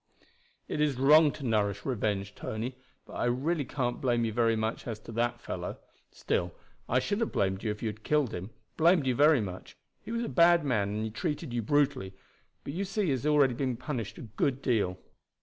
'" "It is wrong to nourish revenge, Tony; but I really can't blame you very much as to that fellow. Still, I should have blamed you if you had killed him blamed you very much. He was a bad man, and he treated you brutally, but you see he has been already punished a good deal."